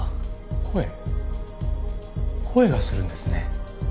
声声がするんですね。